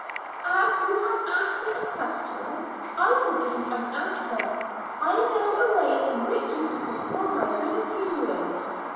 "As you have asked me a question, I will give you an answer. I know a way in which you can secure my good opinion."